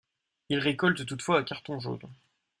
Il récolte toutefois un carton jaune.